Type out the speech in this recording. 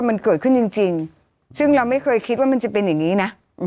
มันเกิดขึ้นจริงซึ่งเราไม่เคยคิดว่ามันจะเป็นอย่างนี้นะ